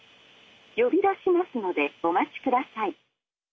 「呼び出しますのでお待ちください」。